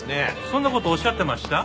そんな事おっしゃってました？